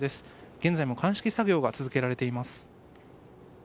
現在も鑑識作業が続けられています。